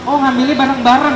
oh ngambilnya bareng bareng